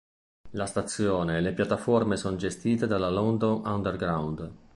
La stazione e le piattaforme sono gestite dalla "London Underground".